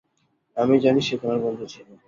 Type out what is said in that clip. আমি জানি সে তোমার বন্ধু ছিল।